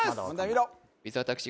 伊沢拓司